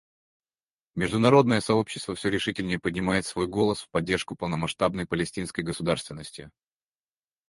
Международное сообщество все решительнее поднимает свой голос в поддержку полномасштабной палестинской государственности.